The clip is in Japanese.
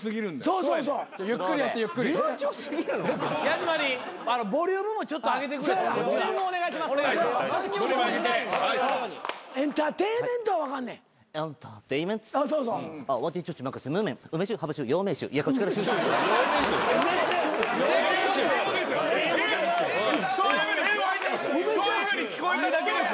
そういうふうにそういうふうに聞こえただけです。